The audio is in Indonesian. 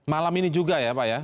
malam ini juga ya pak ya